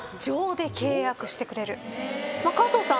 川藤さん